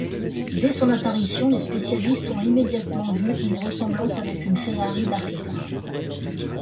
Dès son apparition, les spécialistes ont immédiatement vu une ressemblance avec une Ferrari Barchetta.